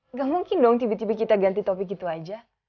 nggak mungkin dong tiba tiba kita ganti topik itu aja